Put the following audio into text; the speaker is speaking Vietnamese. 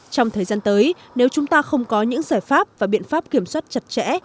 trong thời gian tới nếu chúng ta không có những giải pháp và biện pháp kiểm soát chặt chẽ